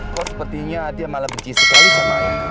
kok sepertinya dia malah benci sekali sama ayah kamu